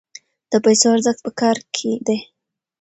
د پیسو ارزښت په کار کې دی.